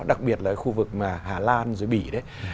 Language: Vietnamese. đặc biệt là cái khu vực mà hà lan dưới bỉ đấy